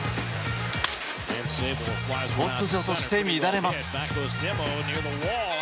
突如として乱れます。